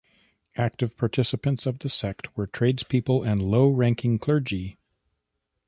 Active participants of the sect were tradespeople and low-ranking clergy.